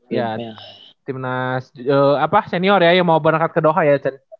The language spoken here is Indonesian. ya timnas senior ya yang mau berangkat ke doha ya